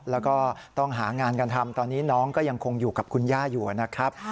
แล้วก็ต้องหางานกันทำตอนนี้น้องก็ยังคงอยู่กับคุณย่าอยู่นะครับ